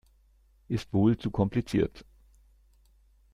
Ist wohl zu kompliziert.